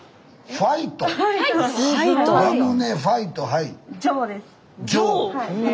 はい。